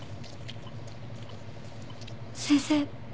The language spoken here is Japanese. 先生。